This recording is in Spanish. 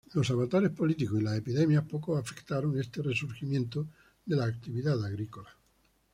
Los avatares políticos y las epidemias poco afectaron este resurgimiento de la actividad agrícola.